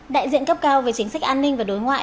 đại diện cấp cao về chính sách an ninh và đối ngoại